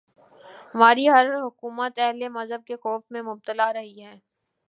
ہماری ہر حکومت اہل مذہب کے خوف میں مبتلا رہی ہے۔